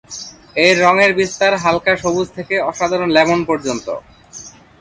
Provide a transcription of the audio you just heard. এর রং-এর বিস্তার হালকা সবুজ থেকে অসাধারণ লেমন পর্যন্ত।